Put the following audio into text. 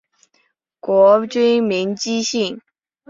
国君为姬姓。